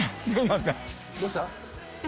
どうした？